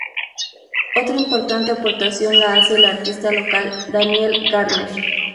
Otra importante aportación la hace el artista local Daniel Gardner.